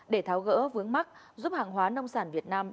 để tháo gỡ vướng mắt giúp hàng hóa nông sản việt nam